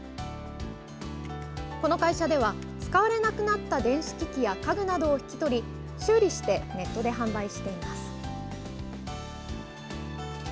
この会社では、使われなくなった電子機器や家具などを引き取り修理してネットで販売しています。